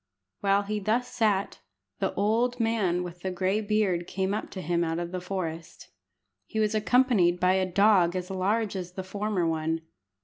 While he thus sat, the old man with the gray beard came up to him out of the forest. He was accompanied by a dog as large as the former one.